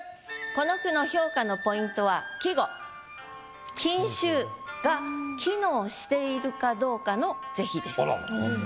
この句の評価のポイントは季語「金秋」が機能しているかどうかの是非です。